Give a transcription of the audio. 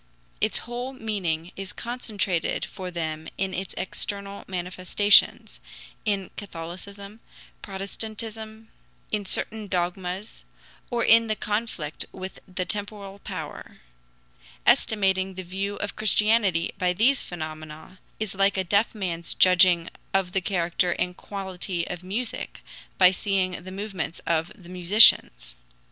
Its whole meaning is concentrated for them in its external manifestations in Catholicism, Protestantism, in certain dogmas, or in the conflict with the temporal power. Estimating the value of Christianity by these phenomena is like a deaf man's judging of the character and quality of music by seeing the movements of the musicians.